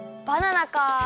バナナか。